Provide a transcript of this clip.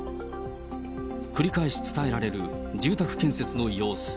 繰り返し伝えられる住宅建設の様子。